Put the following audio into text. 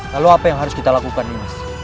lalu apa yang harus kita lakukan nimas